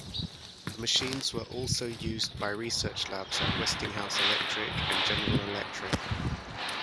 The machines were also used by research labs at Westinghouse Electric and General Electric.